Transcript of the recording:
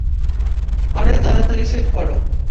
আরে, তাড়াতাড়ি সেট করো।